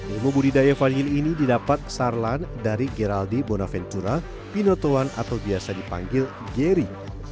ilmu budidaya vanili ini didapat sarlan dari geraldi bonaventura pinotuan atau biasa dipanggil geri